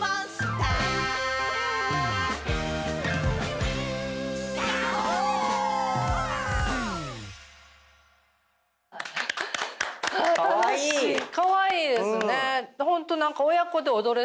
かわいいですね。